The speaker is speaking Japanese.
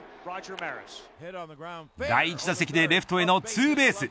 第１打席でレフトへのツーベース。